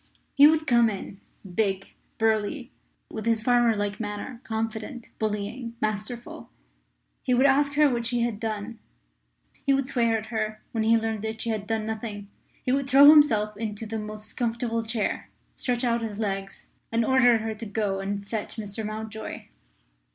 He would come in, big, burly, with his farmer like manner confident, bullying, masterful. He would ask her what she had done; he would swear at her when he learned that she had done nothing; he would throw himself into the most comfortable chair, stretch out his legs, and order her to go and fetch Mr. Mountjoy.